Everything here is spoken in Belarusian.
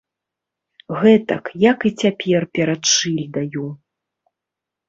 Гэтак, як і цяпер перад шыльдаю.